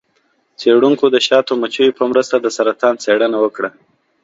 څیړونکو د شاتو مچیو په مرسته د سرطان څیړنه وکړه.